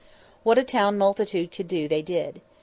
What a town multitude could do they did.